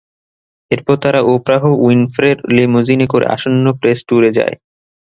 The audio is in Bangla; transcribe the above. এরপর তারা ওপ্রাহ উইনফ্রের লিমোজিনে করে আসন্ন প্রেস ট্যুরে যায়।